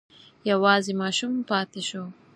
یوازې ماشوم پاتې شو.